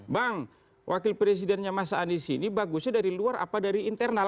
bang wakil presidennya mas anies ini bagusnya dari luar apa dari internal